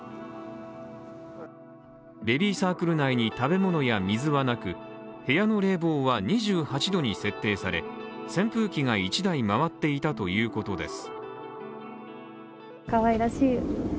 ベビーサークル内に食べ物や水はなく、部屋の冷房は２８度に設定され、扇風機が１台回っていたということです。